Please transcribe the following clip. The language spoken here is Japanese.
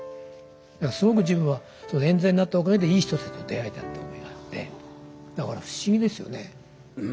すごく自分はえん罪になったおかげでいい人たちと出会えたって思いがあってだから不思議ですよね。